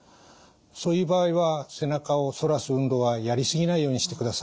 そういう場合は背中を反らす運動はやり過ぎないようにしてください。